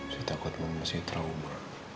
saya takut masih trauma